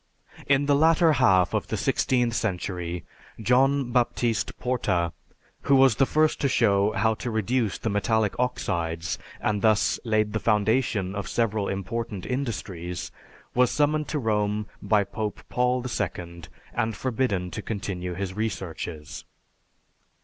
In the latter half of the sixteenth century, John Baptist Porta, who was the first to show how to reduce the metallic oxides and thus laid the foundation of several important industries, was summoned to Rome by Pope Paul II, and forbidden to continue his researches.